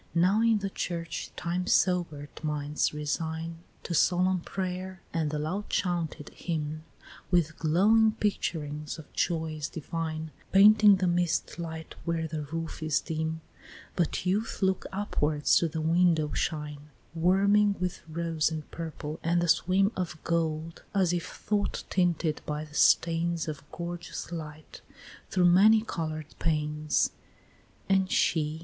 Now in the church, time sober'd minds resign To solemn pray'r, and the loud chaunted hymn, With glowing picturings of joys divine Painting the mist light where the roof is dim; But youth looks upward to the window shine, Warming with rose and purple and the swim Of gold, as if thought tinted by the stains Of gorgeous light through many color'd panes; XVI.